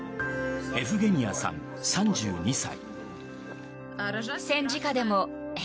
エフゲニアさん、３２歳。